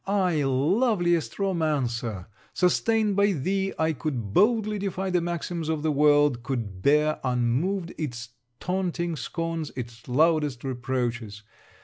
I loveliest romancer! sustained by thee, I could boldly defy the maxims of the world, could bear unmoved its taunting scorns, its loudest reproaches.